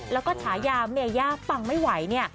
แล้วก็ฉายาเมย่าปังไม่ไหวเนี่ย